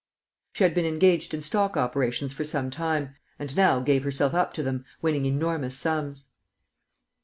She had been engaged in stock operations for some time, and now gave herself up to them, winning enormous sums.